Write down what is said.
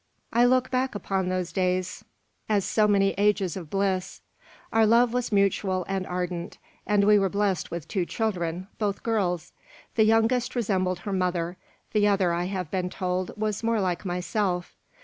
I look back upon those days as so many ages of bliss. Our love was mutual and ardent; and we were blessed with two children, both girls. The youngest resembled her mother; the other, I have been told, was more like myself.